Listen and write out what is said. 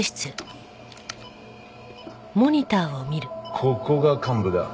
ここが患部だ。